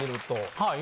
はい。